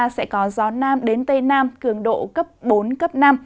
sẽ có gió nam đến tây nam cường độ cấp bốn cấp năm